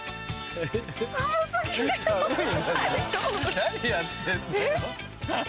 何やってんだよ。